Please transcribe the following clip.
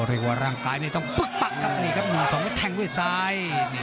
อันสารว่าร่างตายหนึ่งต้องด้วยทราย